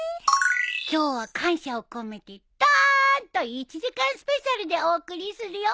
今日は感謝を込めてどんと１時間スペシャルでお送りするよ。